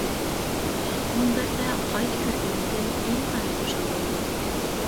مۇنبەردە قايتا كۆرگىنىمدىن ئىنتايىن خۇشال بولدۇم.